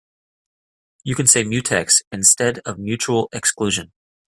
You can say mutex instead of mutual exclusion.